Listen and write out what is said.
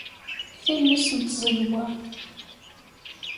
Times n tẓegwa.